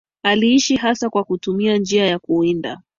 Aliishi hasa kwa kutumia njia ya kuwinda